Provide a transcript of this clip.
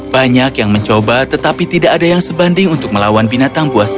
banyak yang mencoba tetapi tidak ada yang sebanding untuk melawan binatang buas